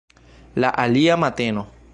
La alia mateno.